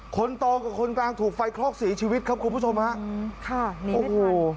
คนโตกับคนกลางถูกไฟครอกศีรีชีวิตครับคุณผู้ชมครับ